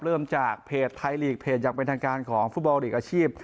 เริ่มจากเพจไทยลีกเพจอย่างเป็นทางการของฟุตบอลลีกอาชีพ